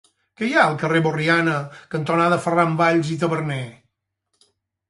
Què hi ha al carrer Borriana cantonada Ferran Valls i Taberner?